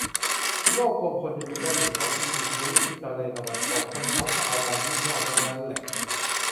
โลกกลม คนจะบินได้เหมือนนก มีอีกทวีปที่ทะเลตะวันตก คนท้องเพราะเอากัน งี่เง่าทั้งนั้นแหละ